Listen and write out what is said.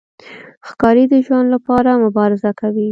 ښکاري د ژوند لپاره مبارزه کوي.